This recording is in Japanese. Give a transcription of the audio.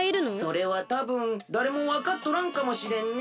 それはたぶんだれもわかっとらんかもしれんね。